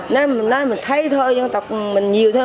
nên mình nói mình thấy thôi dân tộc mình nhiều thôi